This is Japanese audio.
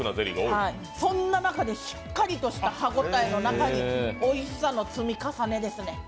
そんな中でしっかりとした歯応えの中においしさの積み重ねですね。